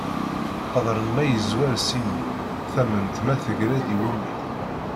Qeḍran ma yezwer s imi, tament ma teggra-d i wumi.